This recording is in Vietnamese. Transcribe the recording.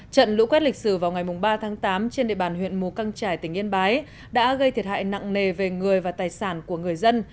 trận lũ quét lịch sử vào ngày ba tháng tám trên địa bàn huyện mù căng trải tỉnh yên bái đã gây thiệt hại nặng nề về người và tài sản của người dân